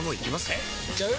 えいっちゃう？